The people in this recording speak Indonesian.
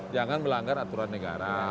jangan melanggar aturan negara